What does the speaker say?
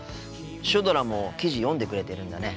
シュドラも記事読んでくれてるんだね。